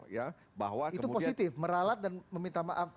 itu positif meralat dan meminta maaf